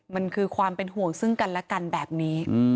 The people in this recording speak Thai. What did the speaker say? มันคือความเป็นห่วงซึ่งกันและกันแบบนี้